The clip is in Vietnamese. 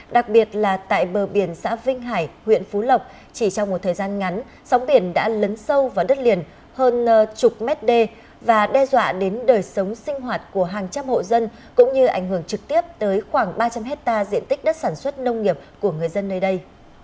đặc biệt là tại bờ biển xã vinh hải huyện phú lộc chỉ trong một thời gian ngắn sóng biển đã lấn sâu vào đất liền hơn chục mét đê và đe dọa đến đời sống sinh hoạt của hàng trăm hộ dân cũng như ảnh hưởng trực tiếp tới khoảng ba trăm linh hectare diện tích đất sản xuất nông nghiệp của người dân nơi đây